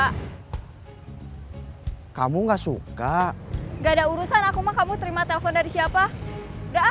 hai kamu enggak suka enggak ada urusan aku mah kamu terima telepon dari siapa udah